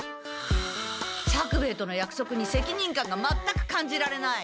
作兵衛とのやくそくに責任感が全く感じられない。